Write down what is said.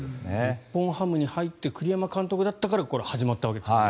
日本ハムに入って栗山監督だったからこれ、始まったわけですよね。